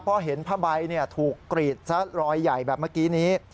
เพราะเห็นผ้าใบถูกกรีดซะรอยใหญ่แบบเมื่อกี้นี้